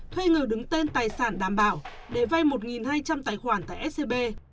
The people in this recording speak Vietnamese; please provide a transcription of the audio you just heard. thuê người đứng tên tài sản đảm bảo để vay một hai trăm linh tài khoản tại scb